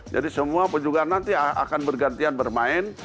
jadi semua penyulga nanti akan bergantian bermain